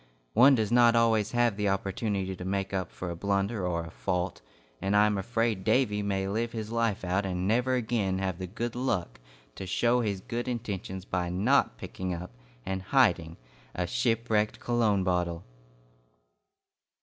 One does not always have the opportunity to make up for a blunder or a fault, and I am afraid Davy may live his life out and never again have the good luck to show his good intentions by not picking up and hiding a Shipwrecked Cologne Bottle!